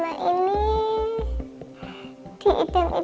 kejadian itu terus terusan